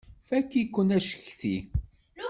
Fakk-iken acetki!